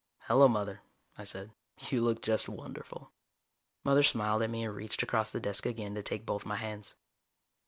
"Hello, Mother," I said. "You look just wonderful." Mother smiled at me and reached across the desk again to take both my hands.